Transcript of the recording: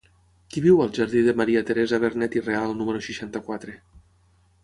Qui viu al jardí de Maria Teresa Vernet i Real número seixanta-quatre?